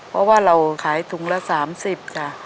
เพราะว่าเราขายถุงละ๓๐ค่ะ